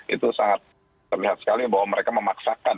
itu sangat terlihat sekali bahwa mereka memaksakan